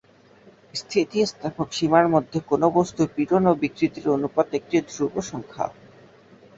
স্থিতিস্থাপক সীমার মধ্যে কোন বস্তুর পীড়ন ও বিকৃতির অনুপাত একটি ধ্রুব সংখ্যা।